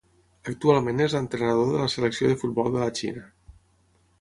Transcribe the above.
Actualment és l'entrenador de la Selecció de futbol de la Xina.